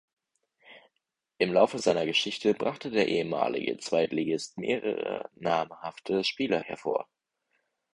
Im Laufe seiner Geschichte brachte der ehemalige Zweitligist mehrere namhafte Spieler hervor.